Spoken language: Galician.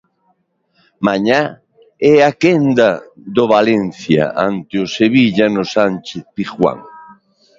Mañá é a quenda do Valencia ante o Sevilla no Sánchez-Pizjuán.